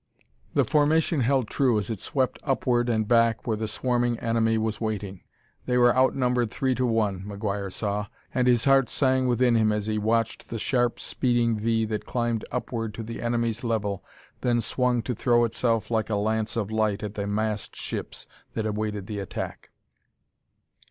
The formation held true as it swept upward and back where the swarming enemy was waiting. They were outnumbered three to one, McGuire saw, and his heart sang within him as he watched the sharp, speeding V that climbed upward to the enemy's level then swung to throw itself like a lance of light at the massed ships that awaited the attack.